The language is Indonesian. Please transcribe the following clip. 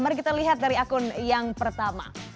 mari kita lihat dari akun yang pertama